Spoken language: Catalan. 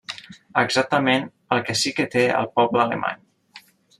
Exactament el que sí que té el poble alemany.